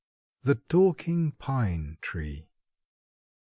THE TALKING PINE TREE.